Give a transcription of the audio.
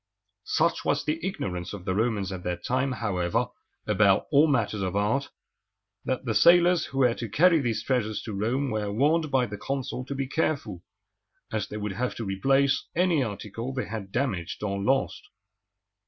Such was the ignorance of the Romans at that time, however, about all matters of art, that the sailors who were to carry these treasures to Rome were warned by the consul to be careful, as they would have to replace any article they had damaged or lost.